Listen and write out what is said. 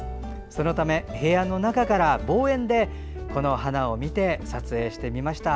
そのため部屋の中から望遠でこの花を見て撮影してみました。